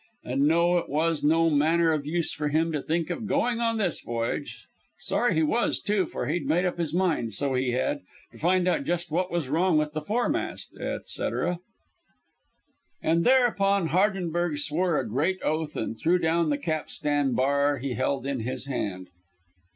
And no, it was no manner of use for him to think of going on this voyage; sorry he was, too, for he'd made up his mind, so he had, to find out just what was wrong with the foremast, etc. And thereupon Hardenberg swore a great oath and threw down the capstan bar he held in his hand.